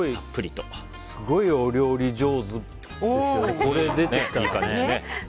すごいお料理上手ですよね。